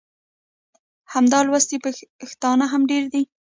همداسې لوستي پښتانه هم ډېر دي.